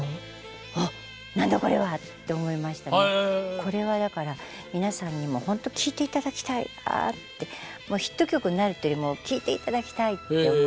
これはだから皆さんにもほんと聴いて頂きたいってヒット曲になるっていうよりも聴いて頂きたいって思いましたね。